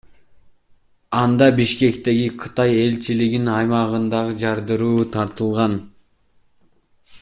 Анда Бишкектеги Кытай элчилигинин аймагындагы жардыруу тартылган.